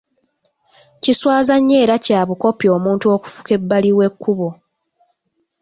Kiswaza nnyo era kya bukopi omuntu okufuka ebbali w'ekkubo.